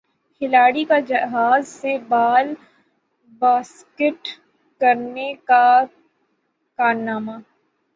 کھلاڑی کا جہاز سے بال باسکٹ کرنے کا کارنامہ